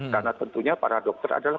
karena tentunya para dokter adalah